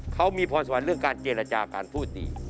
เขามีพรสวรรค์เรื่องการเจรจาการพูดดี